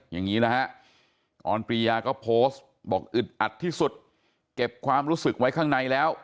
อย่างนี้นะฮะออนปรียาก็โพสต์บอกอึดอัดที่สุดเก็บความรู้สึกไว้ข้างในแล้ว